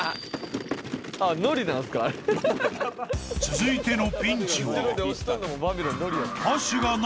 ［続いてのピンチは］